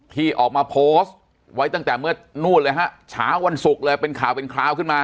ที่ออกมาโพสต์ไว้ตั้งแต่เมื่อนู่นเลยฮะเช้าวันศุกร์เลยเป็นข่าวเป็นคราวขึ้นมา